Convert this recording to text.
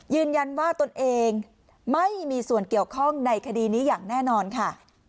ยืนยันว่าตนเองไม่มีส่วนเกี่ยวข้องในคดีนี้อย่างแน่นอนค่ะ